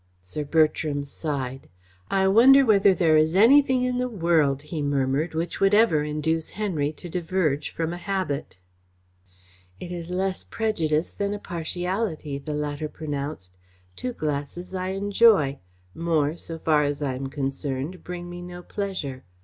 Sir Bertram sighed. "I wonder whether there is anything in the world," he murmured, "which would ever induce Henry to diverge from a habit?" "It is less prejudice than a partiality," the latter pronounced. "Two glasses I enjoy. More, so far as I am concerned, bring me no pleasure.